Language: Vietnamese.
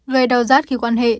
gây đau rát khi quan hệ